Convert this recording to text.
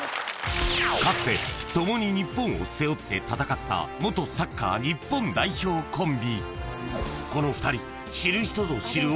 かつて共に日本を背負って戦った元サッカー日本代表コンビこの２人知る人ぞ知る